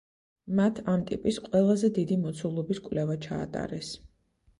მათ ამ ტიპის ყველაზე დიდი მოცულობის კვლევა ჩაატარეს.